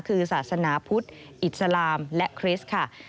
คือศาสนาพุทธอิสลามและคริสต์ค่ะ